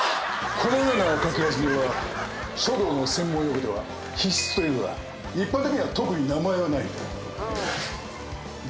このような書き始めは書道の専門用語では始筆というが一般的には特に名前はないんだ。